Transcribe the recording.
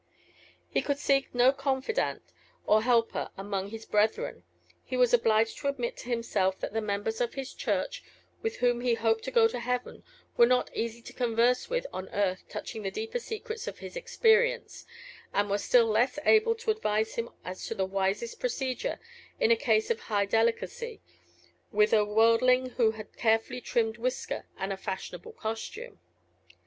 He could seek no confidant or helper among "the brethren"; he was obliged to admit to himself that the members of his church, with whom he hoped to go to heaven, were not easy to converse with on earth touching the deeper secrets of his experience, and were still less able to advise him as to the wisest procedure in a case of high delicacy, with a worldling who had a carefully trimmed whisker and a fashionable costume.